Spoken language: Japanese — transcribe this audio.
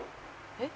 えっ！？